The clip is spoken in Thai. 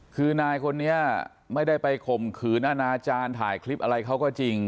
คือนายคนนี้ไม่ได้ไปข่มขืนอนาจารย์ถ่ายคลิปอะไรเขาก็จริง